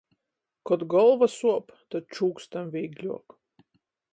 Kod golva suop, tod čūkstam vīgļuok!